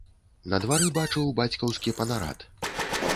На двары бачыў бацькаўскі панарад.